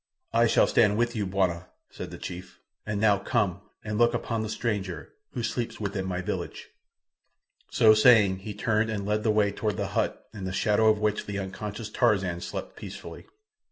"I shall stand with you, bwana," said the chief, "and now come and look upon the stranger, who sleeps within my village." So saying, he turned and led the way toward the hut, in the shadow of which the unconscious Tarzan slept peacefully.